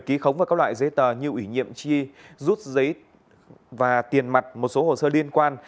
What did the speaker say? ký khống và các loại giấy tờ như ủy nhiệm chi rút và tiền mặt một số hồ sơ liên quan